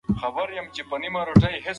موټر چلونکي غوښتل چې له موټره کښته شي.